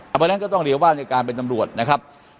เพราะฉะนั้นก็ต้องเรียกว่าในการเป็นตำรวจนะครับ